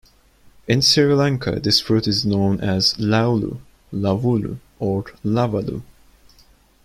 In Sri Lanka this fruit is known as "Laulu", "Lavulu" or "Lawalu".